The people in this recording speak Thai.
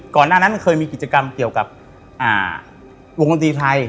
หน้านั้นเคยมีกิจกรรมเกี่ยวกับวงดนตรีไทย